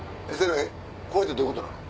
これってどういうことなの？